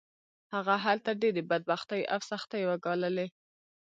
هغه هلته ډېرې بدبختۍ او سختۍ وګاللې